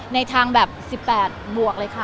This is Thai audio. ในทางแบบ๑๘บวกเลยค่ะ